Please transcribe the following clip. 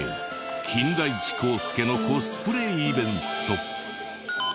金田一耕助のコスプレイベント。